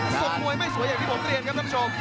ทรงมวยไม่สวยอย่างที่ผมเรียนครับท่านผู้ชม